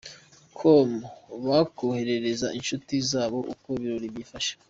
com bakoherereza inshuti zabo uko ibirori byifashe.